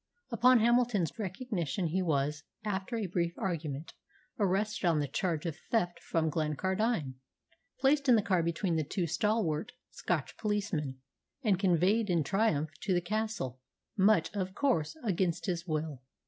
Upon Hamilton's recognition he was, after a brief argument, arrested on the charge of theft from Glencardine, placed in the car between the two stalwart Scotch policemen, and conveyed in triumph to the castle, much, of course, against his will.